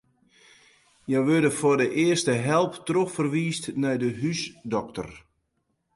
Hja wurde foar de earste help trochferwiisd nei de húsdokter.